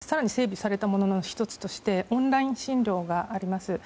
コロナ禍で更に整備されたものの１つとしてオンライン診療があります。